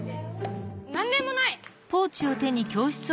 なんでもない！